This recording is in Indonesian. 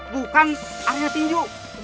bukan area tinju